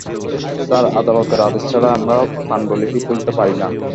Sir, আদালতের আদেশ ছাড়া, আমরা পাণ্ডুলিপি খুলতে পারি না।